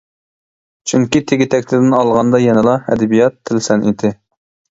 چۈنكى تېگى-تەكتىدىن ئالغاندا يەنىلا «ئەدەبىيات-تىل سەنئىتى» .